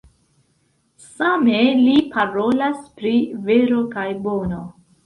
Same li parolas pri vero kaj bono.